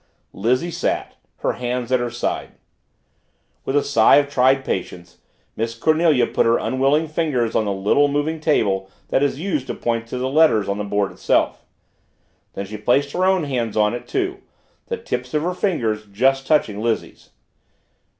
Lizzie sat her hands at her sides. With a sigh of tried patience, Miss Cornelia put her unwilling fingers on the little moving table that is used to point to the letters on the board itself. Then she placed her own hands on it, too, the tips of the fingers just touching Lizzie's.